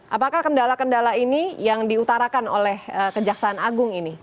apakah kendala kendala ini yang diutarakan oleh kejaksaan agung ini